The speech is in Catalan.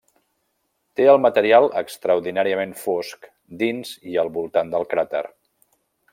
Té el material extraordinàriament fosc dins i al voltant del cràter.